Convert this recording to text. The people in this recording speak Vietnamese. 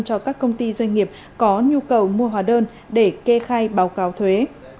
cho các công ty doanh nghiệp có nhu cầu mua hóa đơn để kê khai báo cáo thuế